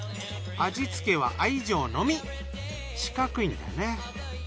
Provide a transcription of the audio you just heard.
味付けは愛情のみ四角いんだね。